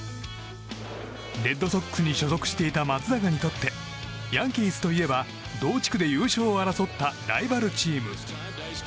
レッドソックスに所属していた松坂にとってヤンキースといえば同地区で優勝を争ったライバルチーム。